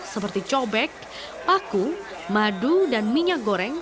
seperti cobek paku madu dan minyak goreng